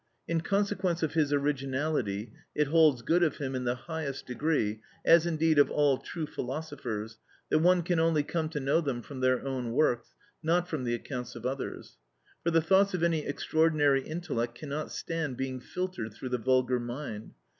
In consequence of his originality, it holds good of him in the highest degree, as indeed of all true philosophers, that one can only come to know them from their own works, not from the accounts of others. For the thoughts of any extraordinary intellect cannot stand being filtered through the vulgar mind.